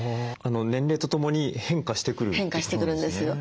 年齢とともに変化してくるってことなんですね。